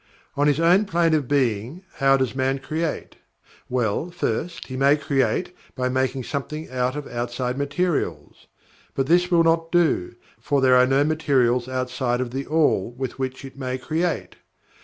On his own plane of being, how does Man create? Well, first, he may create by making something out of outside materials. But this will not do, for there are no materials outside of THE ALL with which it may create.